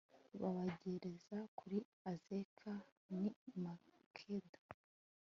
babageza kuri Azeka n i Makeda